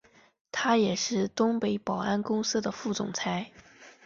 他也是东北保安公司的副总裁。